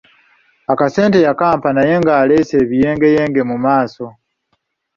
Akasente yakampa naye ng'aleese ebiyengeyenge mu maaso.